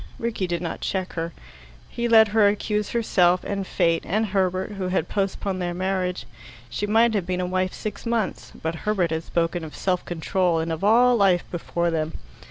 Rickie did not check her. He let her accuse herself, and fate, and Herbert, who had postponed their marriage. She might have been a wife six months; but Herbert had spoken of self control and of all life before them.